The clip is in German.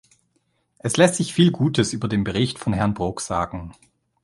Es lässt sich viel Gutes über den Bericht von Herrn Brok sagen.